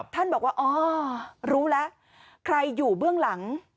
ท่านบอกว่าอ๋อรู้แล้วใครอยู่เบื้องหลัง